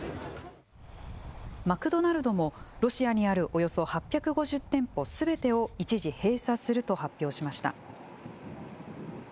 マクドナルドもロシアにあるおよそ８５０店舗すべてを一時閉鎖すると発表しました。